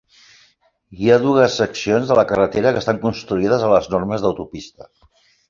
Hi ha dues seccions de la carretera que estan construïdes a les normes d'autopista.